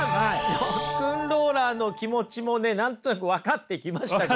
ロックンローラーの気持ちも何となく分かってきました。